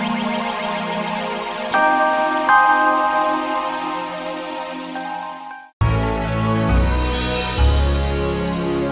sampai jumpa lagi